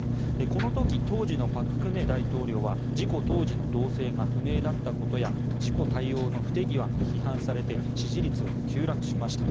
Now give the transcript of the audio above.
この時、当時の朴槿惠大統領は事故当時の動静が不明だったことや事故対応の不手際が批判されて支持率が急落しました。